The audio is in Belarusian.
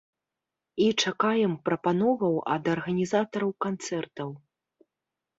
І чакаем прапановаў ад арганізатараў канцэртаў!